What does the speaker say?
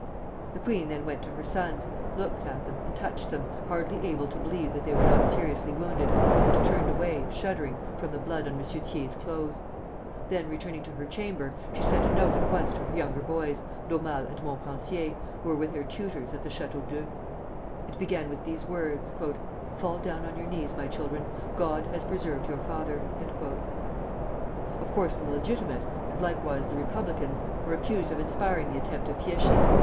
The queen then went to her sons, looked at them, and touched them, hardly able to believe that they were not seriously wounded, and turned away, shuddering, from the blood on M. Thiers' clothes. Then, returning to her chamber, she sent a note at once to her younger boys, D'Aumale and Montpensier, who were with their tutors at the Château d'Eu. It began with these words: "Fall down on your knees, my children; God has preserved your father." Of course the Legitimists, and likewise the Republicans, were accused of inspiring the attempt of Fieschi.